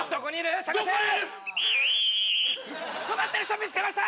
困ってる人見つけました！